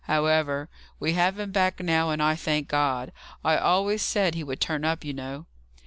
"However, we have him back now, and I thank God. I always said he would turn up, you know."